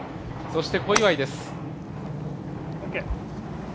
そして小祝です。